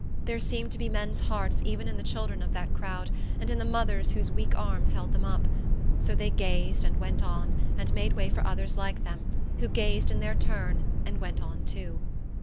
There seemed to be men's hearts even in the children of that crowd, and in the mothers whose weak arms held them up. So they gazed and went on, and made way for others like them, who gazed in their turn and went on too.